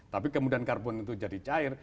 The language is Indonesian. tapi kemudian karbon itu jadi cair